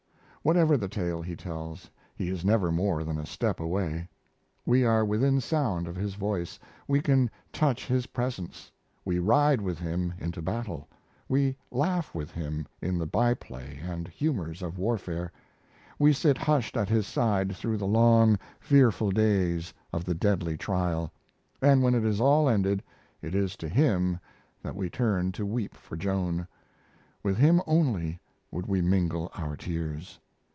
Whatever the tale he tells, he is never more than a step away. We are within sound of his voice, we can touch his presence; we ride with him into battle; we laugh with him in the by play and humors of warfare; we sit hushed at his side through the long, fearful days of the deadly trial, and when it is all ended it is to him that we turn to weep for Joan with him only would we mingle our tears.